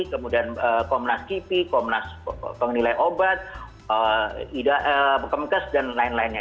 kemudian komnas kipi komnas penilai obat kemkes dan lain lainnya